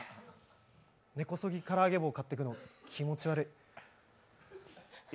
根こそぎから揚げ棒買っていく気持ちいい。